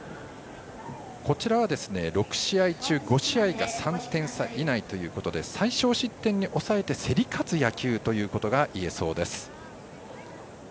こちらは６試合中５試合が３点差以内ということで最少失点に抑えて競り勝つ野球ということがいえそうです。